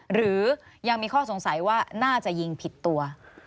หรือยังมีข้อสงสัยว่าน่าจะยิงผิดตัว